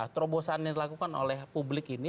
terobosan yang dilakukan oleh publik ini